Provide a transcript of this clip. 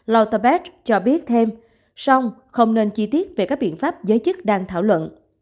lottebeth cho biết thêm song không nên chi tiết về các biện pháp giới chức đang thảo luận